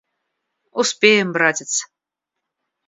Успеем, братец.